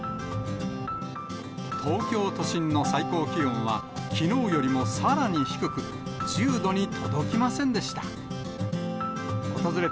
東京都心の最高気温は、きのうよりもさらに低く、１０度に届きませんでした。